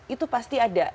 itu pasti ada